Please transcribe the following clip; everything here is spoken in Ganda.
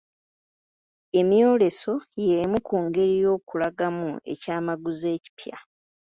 Emyoleso y'emu ku ngeri y'okulangamu ekyamaguzi ekipya.